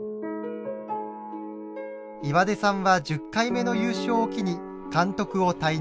岩出さんは１０回目の優勝を機に監督を退任。